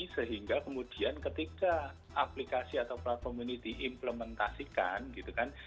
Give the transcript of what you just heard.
sehingga kemudian ketika aplikasi atau platform ini diimplementasikan gitu kan